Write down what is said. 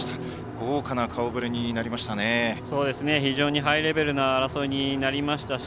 豪華な顔ぶれになりましたね。